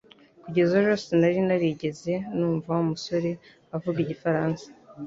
Kugeza ejo sinari narigeze numva Wa musore avuga igifaransa